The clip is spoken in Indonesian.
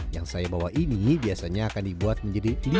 yang saya bawa ini biasanya akan dibuat menjadi